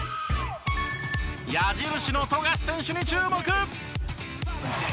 矢印の富樫選手に注目！